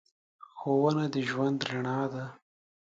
ښوونه د ژوند رڼا ده.